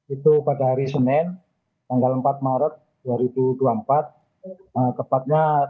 itu pada hari senin tanggal empat maret dua ribu dua puluh empat tepatnya